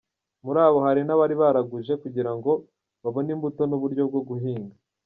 Muri bo hari n’abari baragujije kugira ngo babone imbuto n’uburyo bwo guhinga.